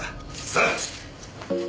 さあ！